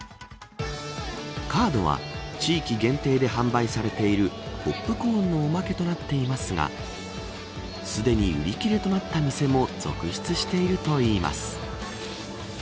カードは地域限定で販売されているポップコーンのおまけとなっていますがすでに売り切れとなった店も続出しているといいます。